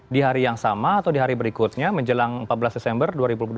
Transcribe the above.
di hari yang sama atau di hari berikutnya menjelang empat belas desember dua ribu dua puluh